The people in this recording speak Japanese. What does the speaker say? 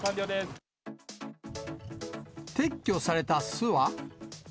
撤去された巣は。